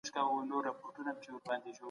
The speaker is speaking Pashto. مطالعه باید د پوهي د ترلاسه کولو هدف وي.